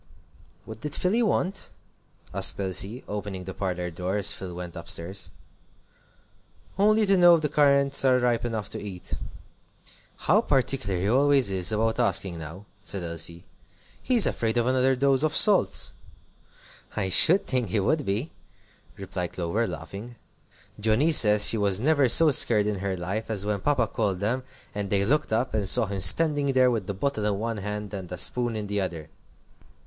"What did Philly want?" asked Elsie, opening the parlor door as Phil went up stairs. "Only to know if the currants are ripe enough to eat." "How particular he always is about asking now!" said Elsie; "he's afraid of another dose of salts." "I should think he would be," replied Clover, laughing. "Johnnie says she never was so scared in her life as when Papa called them, and they looked up, and saw him standing there with the bottle in one hand and a spoon in the other!"